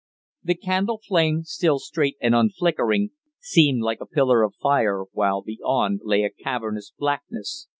The candle flame, still straight and unflickering, seemed like a pillar of fire, while beyond, lay a cavernous blackness.